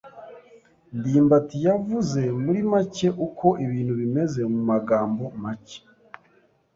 ndimbati yavuze muri make uko ibintu bimeze mumagambo make.